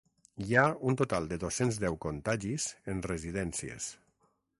Hi ha un total de dos-cents deu contagis en residències.